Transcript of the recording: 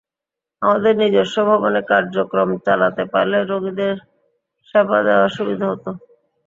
আমাদের নিজস্ব ভবনে কার্যক্রম চালাতে পারলে রোগীদের সেবা দেওয়ার সুবিধা হতো।